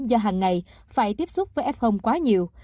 do hàng ngày phải tiếp xúc với f quá nhiều